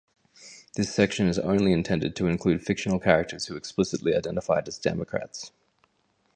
This section is only intended to include fictional characters who explicitly identified as Democrats.